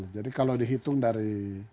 jadi kalau dihitung dari